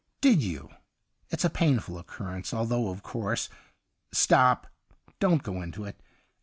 * Did you ? It's a painful occur rence, although, of course '' Stop. Don't go into it.